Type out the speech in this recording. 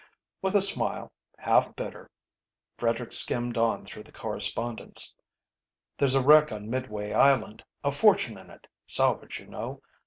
With a smile, half bitter, Frederick skimmed on through the correspondence: "_There's a wreck on Midway Island. A fortune in it, salvage you know.